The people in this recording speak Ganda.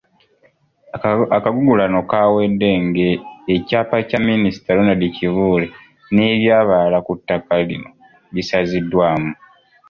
Akagugulano kaawedde ng’ekyapa kya Minisita Ronald Kibuule n’eby'abalala ku ttaka lino bisaziddwamu.